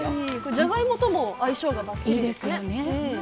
じゃがいもとも相性がばっちりですよね。